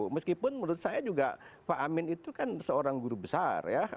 meskipun menurut saya juga pak amin itu kan seorang guru besar ya